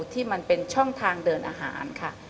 ที่มันเป็นช่องทางเดินอาหารค่ะ